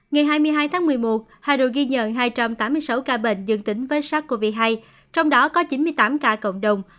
ngày hai mươi hai tháng một mươi một hà nội ghi nhận hai trăm tám mươi sáu ca bệnh dương tính với sars cov hai trong đó có chín mươi tám ca cộng đồng